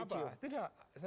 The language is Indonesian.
tidak mencium apa